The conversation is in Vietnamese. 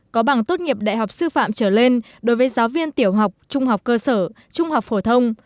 có bằng tốt nghiệp đại học sư phạm trở lên đối với giáo viên tiểu học trung học cơ sở trung học phổ thông